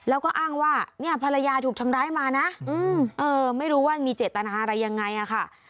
แล้วก็อ้างว่าเนี่ยภรรยาถูกทำร้ายมานะไม่รู้ว่ามีเจตนาอะไรยังไงอะค่ะ